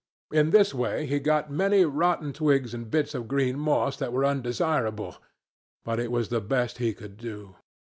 In this way he got many rotten twigs and bits of green moss that were undesirable, but it was the best he could do.